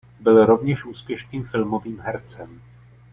Byl rovněž úspěšným filmovým hercem.